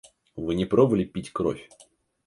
Вы не пробовали пить кровь?